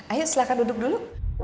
ayo silahkan duduk dulu